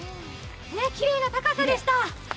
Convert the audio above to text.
きれいな高さでした。